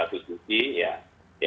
di satu sisi ya